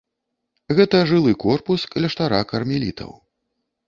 Гэта жылы корпус кляштара кармелітаў.